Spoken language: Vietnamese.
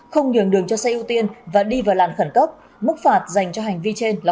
không nhường đường cho xe ưu tiên và đi vào làn khẩn cấp mức phạt dành cho hành vi trên là